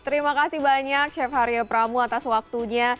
terima kasih banyak chef haria pramu atas waktunya